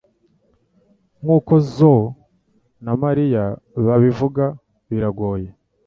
nkuko Zoe na María babivuga biragoye